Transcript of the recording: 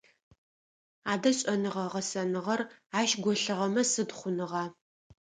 Адэ, шӏэныгъэ-гъэсэныгъэр ащ голъыгъэмэ сыд хъуныгъа?